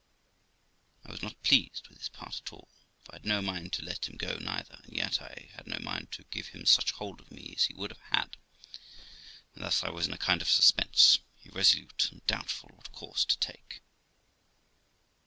I was not pleased with this part at all, for I had no mind to let him go neither, and yet I had no mind to give him such hold of me as he would have had ; and thus I was in a kind of suspense, irresolute, and doubtful what course to take.